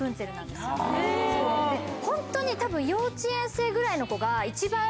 ホントに多分幼稚園生ぐらいの子が。